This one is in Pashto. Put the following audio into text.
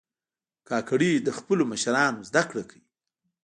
کاکړي له خپلو مشرانو زده کړه کوي.